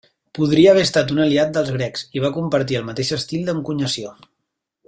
Podria haver estat un aliat dels grecs, i va compartir el mateix estil d'encunyació.